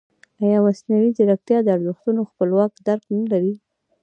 ایا مصنوعي ځیرکتیا د ارزښتونو خپلواک درک نه لري؟